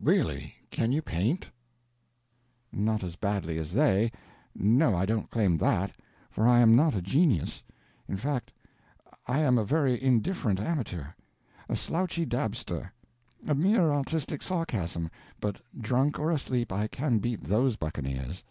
Really, can you paint?" "Not as badly as they. No, I don't claim that, for I am not a genius; in fact, I am a very indifferent amateur, a slouchy dabster, a mere artistic sarcasm; but drunk or asleep I can beat those buccaneers."